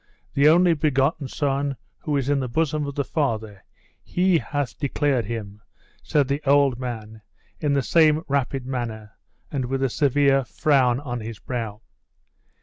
The only begotten Son who is in the bosom of the Father he hath declared him," said the old man in the same rapid manner, and with a severe frown on his brow.